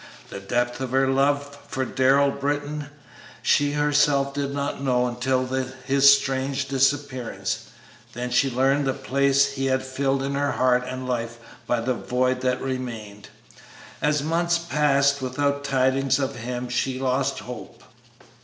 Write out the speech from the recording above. The depth of her love for Darrell Britton she herself did not know until his strange disappearance; then she learned the place he had filled in her heart and life by the void that remained. As months passed without tidings of him she lost hope.